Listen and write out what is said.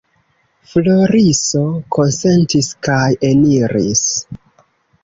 Floriso konsentis kaj eniris.